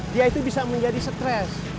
dia itu bisa menjadi stres